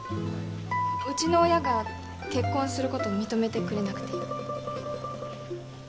うちの親が結婚すること認めてくれなくて。